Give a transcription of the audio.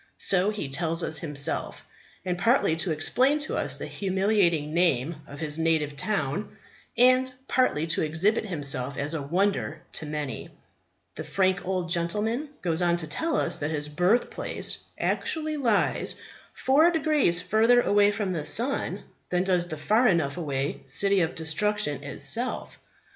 So he tells us himself. And, partly to explain to us the humiliating name of his native town, and partly to exhibit himself as a wonder to many, the frank old gentleman goes on to tell us that his birthplace actually lies four degrees further away from the sun than does the far enough away City of Destruction itself.